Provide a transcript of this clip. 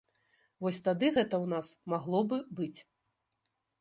Вось тады гэта ў нас магло бы быць.